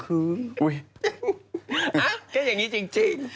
อุ๊ยก็อย่างนี้จริง